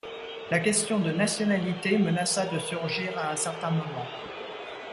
La question de nationalité menaça de surgir à un certain moment.